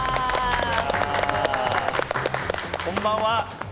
こんばんは。